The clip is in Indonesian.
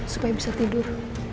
supaya bisa tidur